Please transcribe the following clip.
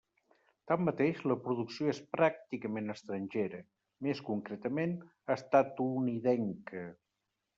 Tanmateix, la producció és pràcticament estrangera, més concretament, estatunidenca.